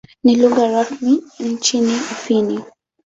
Ni lugha rasmi nchini Ufini.